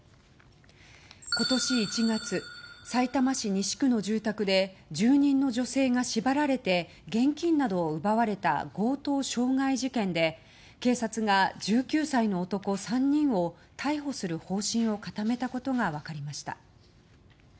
今年１月さいたま市西区の住宅で住人の女性が縛られて現金などを奪われた強盗傷害事件で警察が１９歳の男３人を逮捕する方針を固めたことが分かりました。